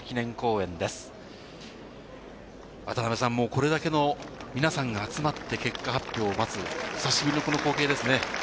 これだけの皆さんが集まって結果発表を待つ久しぶりの光景ですね。